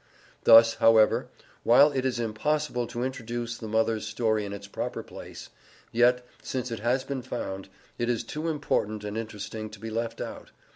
Thus, however, while it is impossible to introduce the mother's story in its proper place, yet, since it has been found, it is too important and interesting to be left out.